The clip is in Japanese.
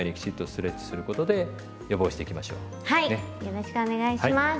よろしくお願いします。